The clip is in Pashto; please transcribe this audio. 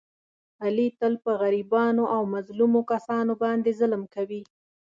علي تل په غریبانو او مظلومو کسانو باندې ظلم کوي.